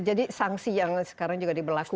sanksi yang sekarang juga diberlakukan